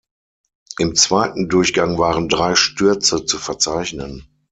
Im zweiten Durchgang waren drei Stürze zu verzeichnen.